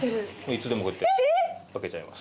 いつでもこうやって開けちゃいます。